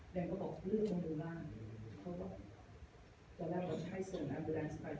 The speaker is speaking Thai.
และต้องต่อเรื่องบรรยากิจตอนแรกต้องให้ส่วนแอบแบลันซ์ไปจากบรรยากิจ